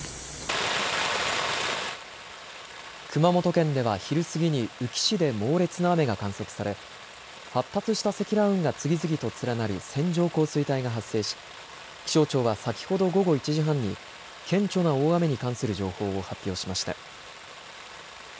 熊本県では昼過ぎに宇城市で猛烈な雨が観測され発達した積乱雲が次々と連なる線状降水帯が発生し気象庁は先ほど午後１時半に顕著な大雨に関する情報を発表しました。